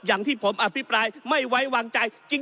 อย่างที่ผมอภิปรายไม่ไว้วางใจ